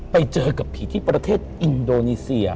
ไปเจอกับผีที่ประเทศอินโดนีเซีย